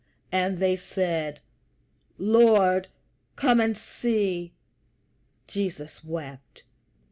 And they said, Lord, come and see. Jesus wept."